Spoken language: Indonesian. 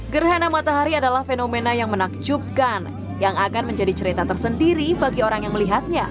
gerhana matahari adalah fenomena yang menakjubkan yang akan menjadi cerita tersendiri bagi orang yang melihatnya